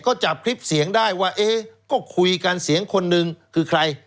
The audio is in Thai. ก็จับคลิปเสียงได้ว่าเอ๊ะก็คุยกันเสียงคนนึงคือใคร